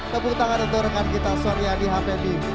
tepuk tangan untuk rekan kita soryadi hapendi